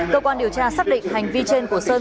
cơ quan điều tra xác định hành vi trên của sơn